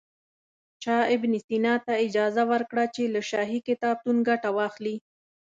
چا ابن سینا ته اجازه ورکړه چې له شاهي کتابتون ګټه واخلي.